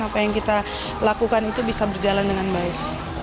apa yang kita lakukan itu bisa berjalan dengan baik